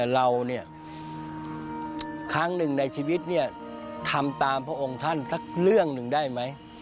เราเนี่ยครั้งหนึ่งในชีวิตเนี่ยทำตามพระองค์ท่านสักเรื่องหนึ่งได้ไหม